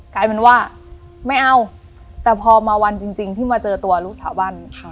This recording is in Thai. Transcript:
กลายเป็นว่าไม่เอาแต่พอมาวันจริงที่มาเจอตัวลูกสาวบ้าน